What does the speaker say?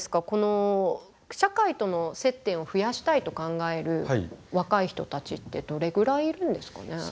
この社会との接点を増やしたいと考える若い人たちってどれぐらいいるんですかね？